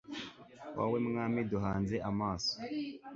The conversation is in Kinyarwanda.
wowe mwami duhanze amaso